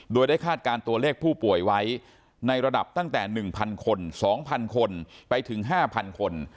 โดยได้คาดการณ์ตัวเลขผู้ป่วยไว้ในระดับตั้งแต่๑๐๐คน๒๐๐คนไปถึง๕๐๐คน